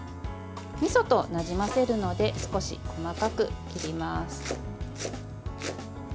みそとなじませるので少し細かく切ります。